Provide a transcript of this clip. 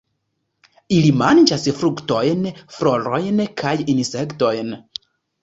Ili manĝas fruktojn, florojn kaj insektojn.